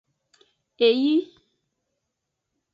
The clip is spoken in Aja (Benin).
Eyi.